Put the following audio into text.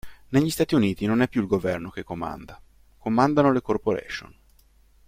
Negli Stati Uniti non è più il governo che comanda, comandano le corporation.